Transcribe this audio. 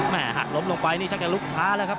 แม่หักล้มลงไปนี่ใช่ลุกช้าแล้วครับ